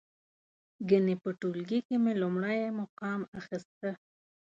ګنې په ټولګي کې مې لومړی مقام اخسته.